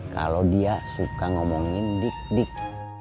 kalau dia suka ngomongin dik dik